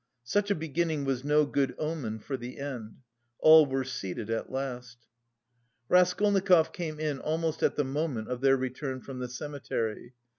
Such a beginning was no good omen for the end. All were seated at last. Raskolnikov came in almost at the moment of their return from the cemetery.